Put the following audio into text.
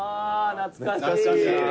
「懐かしい！」